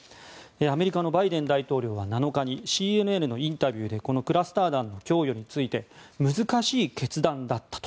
アメリカのバイデン大統領は７日にＣＮＮのインタビューでこのクラスター弾の供与について難しい決断だったと。